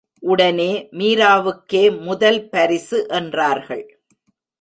உடனே மீராவுக்கே முதல் பரிசு என்றார்கள்.